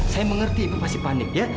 saya mengerti ibu pasti panik ya